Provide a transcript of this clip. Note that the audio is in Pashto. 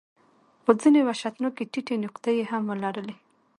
خو ځینې وحشتناکې ټیټې نقطې یې هم ولرلې.